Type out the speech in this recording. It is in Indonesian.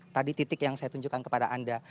tadi titik yang saya tunjukkan kepada anda